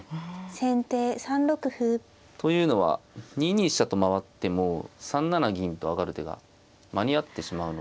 先手３六歩。というのは２二飛車と回っても３七銀と上がる手が間に合ってしまうので。